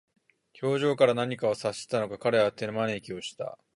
表情から何か察したのか、彼は手招きをした。